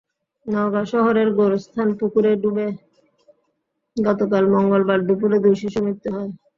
নওগাঁ শহরের গোরস্থান পুকুরে ডুবে গতকাল মঙ্গলবার দুপুরে দুই শিশুর মৃত্যু হয়েছে।